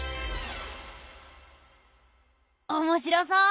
おもしろそう。